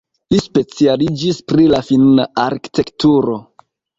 Li specialiĝis pri la finna arkitekturo.